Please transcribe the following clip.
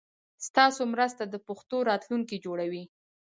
ستاسو مرسته د پښتو راتلونکی جوړوي.